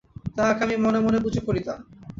তাহাকে আমি মনে মনে পূজা করিতাম।